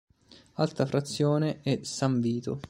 Altra frazione è San Vito.